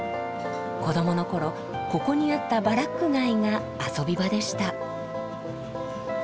子どもの頃ここにあったバラック街が遊び場でした。